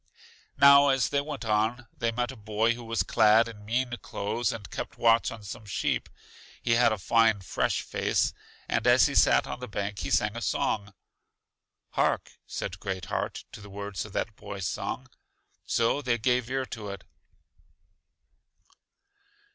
Now, as they went on, they met a boy who was clad in mean clothes and kept watch on some sheep. He had a fine fresh face, and as he sat on the bank he sang a song. Hark, said Great heart, to the words of that boy's song. So they gave ear to it.